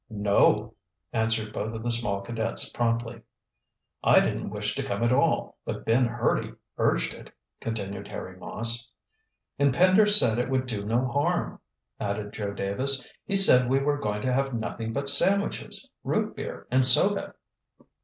"No," answered both of the small cadets promptly. "I didn't wish to come at all, but Ben Hurdy urged it," continued Harry Moss. "And Pender said it would do no harm," added Joe Davis. "He said we were going to have nothing but sandwiches, root beer, and soda."